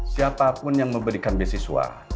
siapapun yang memberikan beasiswa